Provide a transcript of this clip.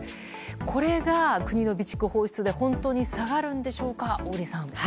これが国の備蓄放出で本当に下がるんでしょうか小栗さん。